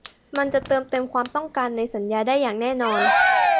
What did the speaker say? มันจะเติมเต็มความต้องการในสัญญาได้อย่างแน่นอน